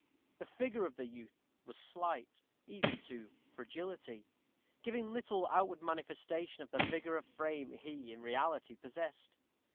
The figure of the youth was slight, even to fragility, giving little outward manifestation of the vigor of frame he in reality possessed.